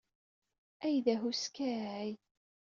Ay d ahuskay!